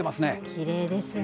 きれいですね。